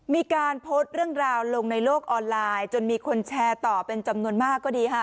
มีการโพสต์เรื่องราวลงในโลกออนไลน์จนมีคนแชร์ต่อเป็นจำนวนมากก็ดีค่ะ